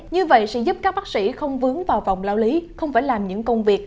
như vậy sẽ giúp các bác sĩ không vướng vào vòng lao lý không phải làm những công việc